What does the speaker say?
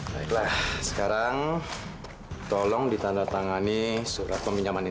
baiklah sekarang tolong ditandatangani surat peminjaman ini